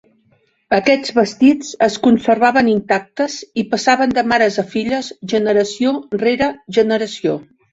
Aquests vestits es conservaven intactes i passaven de mares a filles, generació rere generació.